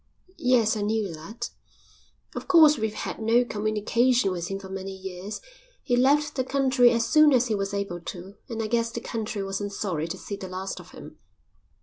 "Yes, I knew that." "Of course we've had no communication with him for many years. He left the country as soon as he was able to, and I guess the country wasn't sorry to see the last of him.